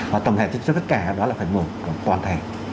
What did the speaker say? và tổng hệ cho tất cả đó là phải mở toàn thể